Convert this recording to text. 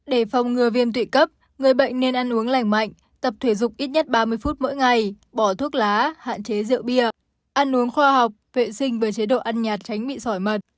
để phòng ngừa viêm tụy cấp người bệnh nên ăn uống lành mạnh tập thể dục ít nhất ba mươi phút mỗi ngày bỏ thuốc lá hạn chế rượu bia ăn uống khoa học vệ sinh với chế độ ăn nhạt tránh bị sỏi mật